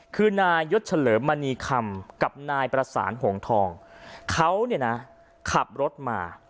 คือนายยศเฉลิมมณีคำกับนายประสานหงทองเขาเนี่ยนะขับรถมา